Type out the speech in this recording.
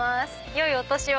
良いお年を！